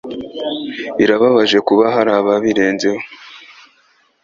Birababaje kuba hari ababirenzeho